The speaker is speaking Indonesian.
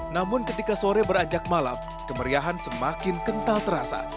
namun ketika sore beranjak malam kemeriahan semakin kental terasa